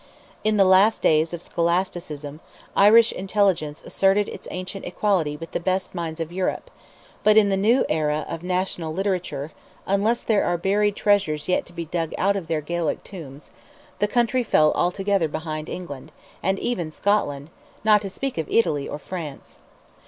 In the last days of Scholasticism, Irish intelligence asserted its ancient equality with the best minds of Europe; but in the new era of national literature, unless there are buried treasures yet to be dug out of their Gaelic tombs, the country fell altogether behind England, and even Scotland, not to speak of Italy or France.